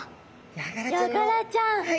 ヤガラちゃんの。